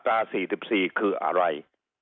ตรา๔๔คืออะไร